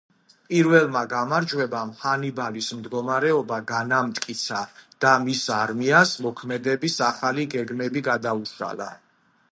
პირველმა გამარჯვებამ ჰანიბალის მდგომარეობა განამტკიცა და მის არმიას მოქმედების ახალი გეგმები გადაუშალა.